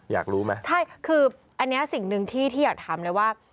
อยากรู้ไหมใช่คืออันนี้สิ่งหนึ่งที่ที่อยากถามเลยว่า